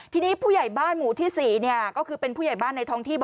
ทีนี้ผู้ใหญ่บ้านหมู่ที่๔ก็คือเป็นผู้ใหญ่บ้านในท้องที่